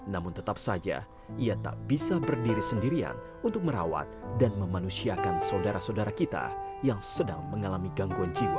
namun tetap saja ia tak bisa berdiri sendirian untuk merawat dan memanusiakan saudara saudara kita yang sedang mengalami gangguan jiwa